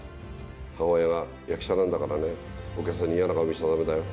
母親が、役者なんだからね、お客さんに嫌な顔見せたらだめだよ。